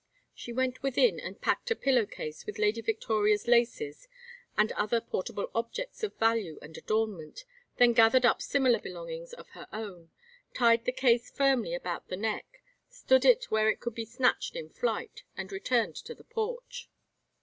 She went within and packed a pillow case with Lady Victoria's laces and other portable objects of value and adornment, then gathered up similar belongings of her own, tied the case firmly about the neck, stood it where it could be snatched in flight, and returned to the porch.